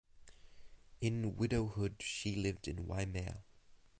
In widowhood she lived in Waimea.